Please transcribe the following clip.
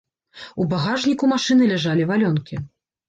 У багажніку машыны ляжалі валёнкі.